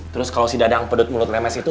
terus kalau si dadang pedut mulut nemes itu